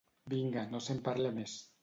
Vinga, no se'n parle més.